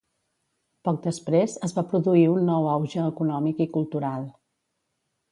Poc després, es va produir un nou auge econòmic i cultural.